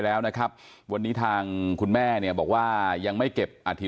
แล้วนะครับวันนี้ทางคุณแม่เนี่ยบอกว่ายังไม่เก็บอาทิต